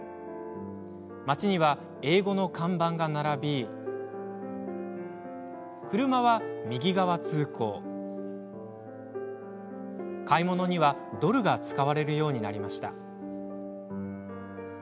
町には英語の看板が並び車は右側通行買い物にはドルが使われるようになりました。